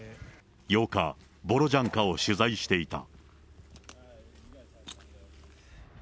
８日、ボロジャンカを取材していた。